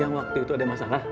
yang waktu itu ada masalah